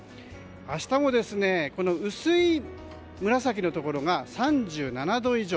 明日も薄い紫のところが３７度以上。